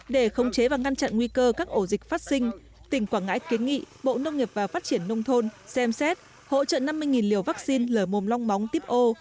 để khống chế và ngăn chặn nguy cơ các ổ dịch phát sinh tỉnh quảng ngãi kiến nghị bộ nông nghiệp và phát triển nông thôn xem xét hỗ trợ năm mươi liều vaccine lở mồm long móng tiếp ô